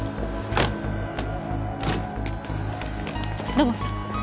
土門さん。